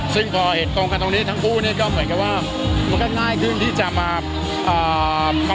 ซึ่งพอเห็นตรงกันตรงนี้ทั้งคู่เนี่ยก็เหมือนกับว่ามันก็ง่ายขึ้นที่จะมา